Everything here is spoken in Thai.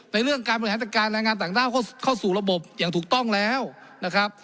เรื่องการบริหารจัดการแรงงานต่างด้าวเข้าสู่ระบบอย่างถูกต้องแล้วนะครับ